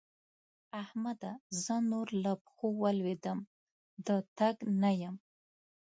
احمده! زه نور له پښو ولوېدم - د تګ نه یم.